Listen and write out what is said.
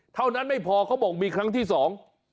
เท่านั้นไม่พอเขาบอกมีครั้งที่สอง